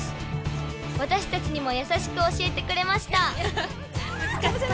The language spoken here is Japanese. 私たちにも優しく教えてくれました！